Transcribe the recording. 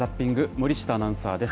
森下アナウンサーです。